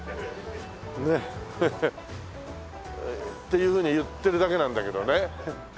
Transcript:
ねっハハ。っていうふうに言ってるだけなんだけどね。